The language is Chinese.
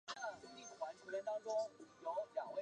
该站位于龙岗区龙岗街道龙岗社区。